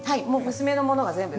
娘のものが全部。